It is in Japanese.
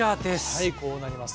はいこうなります。